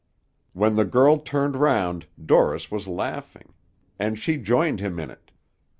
When the girl turned round, Dorris was laughing, and she joined him in it.